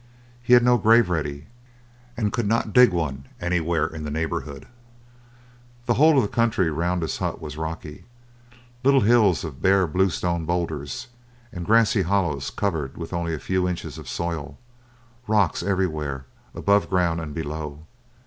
He had no grave ready, and could not dig one anywhere in the neighbourhood. The whole of the country round his hut was rocky little hills of bare bluestone boulders, and grassy hollows covered with only a few inches of soil rocks everywhere, above ground and below.